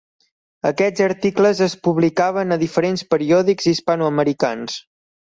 Aquests articles es publicaven a diferents periòdics hispanoamericans.